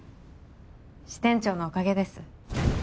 支店長のおかげです